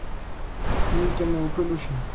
¡Non lle tomen o pelo a xente!